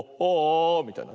みたいな。